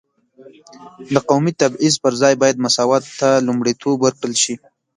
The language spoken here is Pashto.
د قومي تبعیض پر ځای باید مساوات ته لومړیتوب ورکړل شي.